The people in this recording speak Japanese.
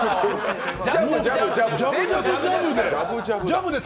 ジャブ、ジャブ、ジャブで！